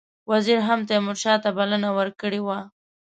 وزیر هم تیمورشاه ته بلنه ورکړې وه.